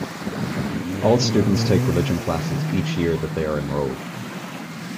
All students take religion classes each year that they are enrolled.